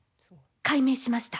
解明しました。